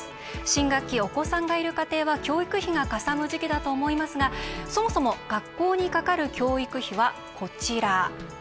新学期、お子さんがいる家庭は教育費がかさむ時期だと思いますがそもそも学校にかかる教育費は、こちら。